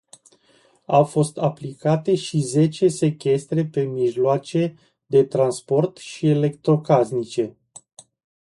Au fost aplicate și zece sechestre pe mijloace de transport și electrocasnice.